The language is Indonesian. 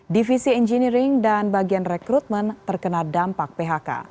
divisi engineering dan bagian rekrutmen terkena dampak phk